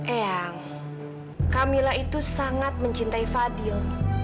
eang kamila itu sangat mencintai fadil